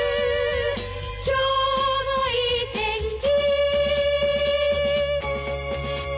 「今日もいい天気」